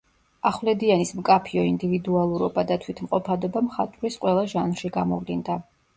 ახვლედიანის მკაფიო ინდივიდუალურობა და თვითმყოფადობა მხატვრის ყველა ჟანრში გამოვლინდა.